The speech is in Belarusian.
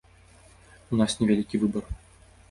У нас невялікі выбар.